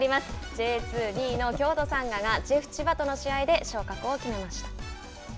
Ｊ２２位の京都サンガがジェフ千葉との試合で昇格を決めました。